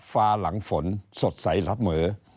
ฟ้าหลังฝนสดใสรับเหมือ